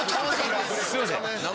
すいません。